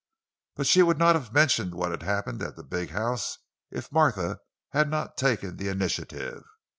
But she would not have mentioned what had happened at the big house if Martha had not taken the initiative.